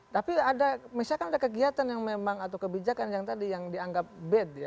tapi ada misalkan ada kegiatan yang memang atau kebijakan yang tadi yang dianggap bed ya